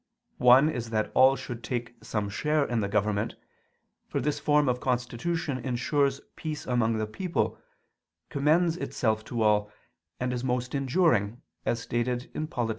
One is that all should take some share in the government: for this form of constitution ensures peace among the people, commends itself to all, and is most enduring, as stated in _Polit.